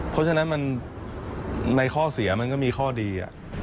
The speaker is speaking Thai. เพราะฉะนั้นในข้อเสียมันก็มีข้อดี